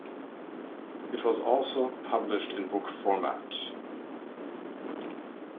It was also published in book format.